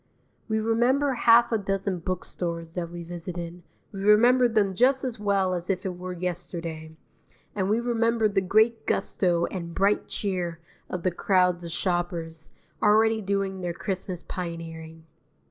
We remember half a dozen book stores that we visited; we remember them just as well as if it were yesterday, and we remember the great gusto and bright cheer of the crowds of shoppers, already doing their Christmas pioneering.